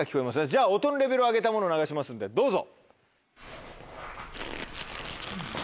じゃあ音のレベルを上げたものを流しますんでどうぞ。